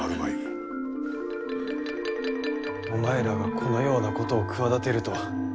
お前らがこのようなことを企てるとは。